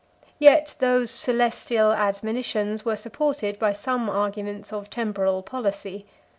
59 Yet those celestial admonitions were supported by some arguments of temporal policy.